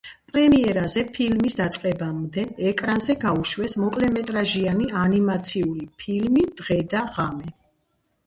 პრემიერაზე, ფილმის დაწყებამდე, ეკრანზე გაუშვეს მოკლემეტრაჟიანი ანიმაციური ფილმი „დღე და ღამე“.